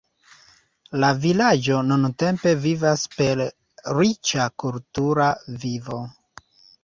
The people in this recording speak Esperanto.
La vilaĝo nuntempe vivas per riĉa kultura vivo.